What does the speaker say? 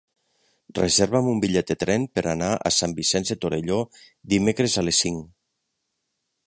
Reserva'm un bitllet de tren per anar a Sant Vicenç de Torelló dimecres a les cinc.